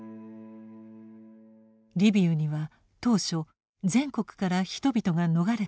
リビウには当初全国から人々が逃れてきました。